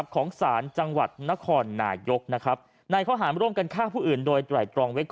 ของสารจังหวัดนครนายกนะครับ